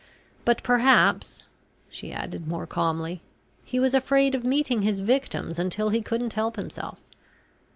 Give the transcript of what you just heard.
But perhaps," she added more calmly, "he was afraid of meeting his victims until he couldn't help himself.